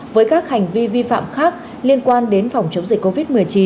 với các hành vi vi phạm khác liên quan đến phòng chống dịch covid một mươi chín